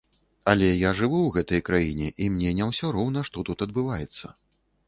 Але я жыву ў гэтай краіне, і мне не ўсё роўна, што тут адбываецца.